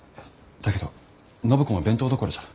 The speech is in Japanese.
だけど暢子も弁当どころじゃ。